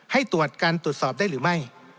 ให้ตรวจการตรวจสอบได้หรือไม่